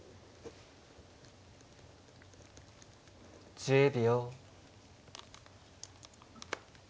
１０秒。